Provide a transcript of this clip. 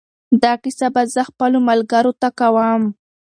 دا کیسه به زه خپلو ملګرو ته کوم.